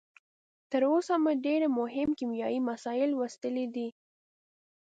تر اوسه مو ډیر مهم کیمیاوي مسایل لوستلي دي.